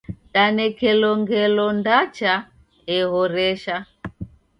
Danekelo ngelo ndacha ehoresha.